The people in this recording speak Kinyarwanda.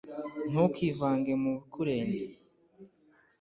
Ntukivange mu bikurenze,